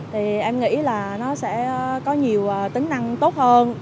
thì em nghĩ là nó sẽ có nhiều tính năng tốt hơn